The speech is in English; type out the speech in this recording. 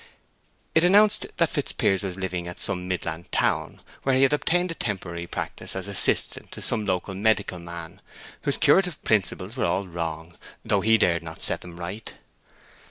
It announced that Fitzpiers was living at some midland town, where he had obtained a temporary practice as assistant to some local medical man, whose curative principles were all wrong, though he dared not set them right.